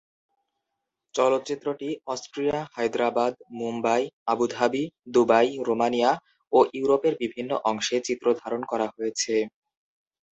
চলচ্চিত্রটি Austria, Hyderabad, Mumbai, Abu Dhabi, Dubai, Romania, ও ইউরোপের বিভিন্ন অংশে চিত্র ধারণ করা হয়েছে।